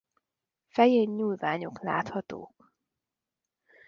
Fején nyúlványok láthatók.